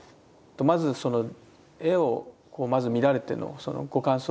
まずその絵をまず見られてのそのご感想というか。